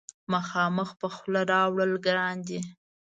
مخامخ په خوله راوړل ګران دي.